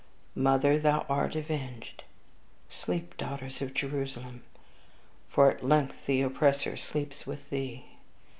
Mother, thou art avenged: sleep, daughter of Jerusalem! for at length the oppressor sleeps with thee.